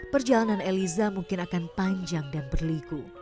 perjalanan eliza mungkin akan panjang dan berliku